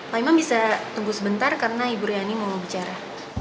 pak imam bisa tunggu sebentar karena ibu riani mau bicara